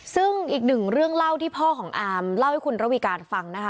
ซึ่งอีกหนึ่งเรื่องเล่าที่พ่อของอาร์มเล่าให้คุณระวีการฟังนะคะ